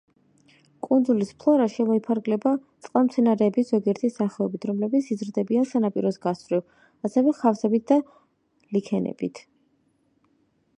კუნძულის ფლორა შემოიფარგლება წყალმცენარეების ზოგიერთი სახეობით, რომლებიც იზრდებიან სანაპიროს გასწვრივ, ასევე ხავსებით და ლიქენებით.